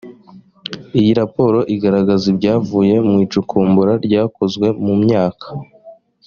iyi raporo igaragaza ibyavuye mu icukumbura ryakozwe mu myaka